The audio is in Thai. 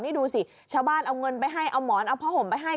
นี่ดูสิชาวบ้านเอาเงินไปให้เอาหมอนเอาผ้าห่มไปให้